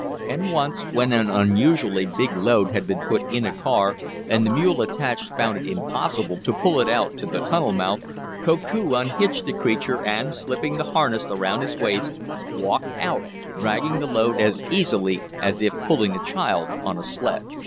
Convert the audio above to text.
And once when an unusually big load had been put in a car, and the mule attached found it impossible to pull it out to the tunnel mouth, Koku unhitched the creature and, slipping the harness around his waist, walked out, dragging the load as easily as if pulling a child on a sled.